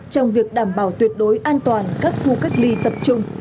trong việc đảm bảo tuyệt đối an toàn các khu cách ly tập trung